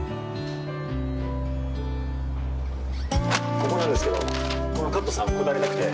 ここなんですけどこのカット３こだわりたくて。